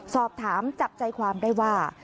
สอบถามจับใจความได้ว่า